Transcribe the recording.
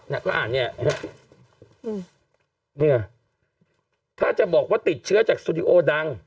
เนี่ยก็อ่านเนี่ยอืมนี่ค่ะถ้าจะบอกว่าติดเชื้อจากสตูดิโอดัง